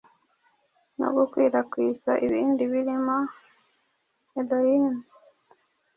no gukwirakwiza ibindi birimo heroin,